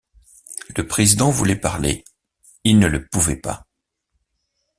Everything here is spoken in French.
Le président voulait parler ; il ne le pouvait pas.